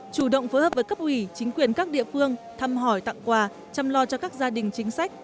chủ động phối hợp với cấp ủy chính quyền các địa phương thăm hỏi tặng quà chăm lo cho các gia đình chính sách